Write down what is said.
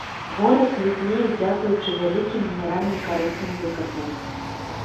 Горад квітнее дзякуючы вялікім мінеральным карысным выкапням.